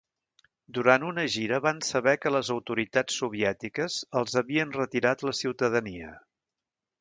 Durant una gira van saber que les autoritats soviètiques els havien retirat la ciutadania.